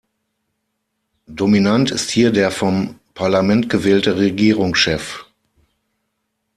Dominant ist hier der vom Parlament gewählte Regierungschef.